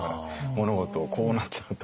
物事をこうなっちゃった。